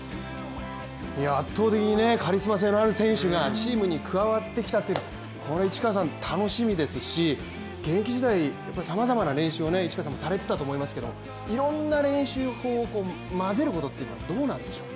圧倒的にカリスマ性のある選手が、チームに加わってきたというのは楽しみですし現役時代、さまざまな練習を市川さんもされてたと思いますけどいろんな練習方法をまぜることっっていうのはどうなんでしょう？